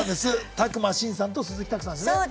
宅麻伸さんと鈴木拓さんでね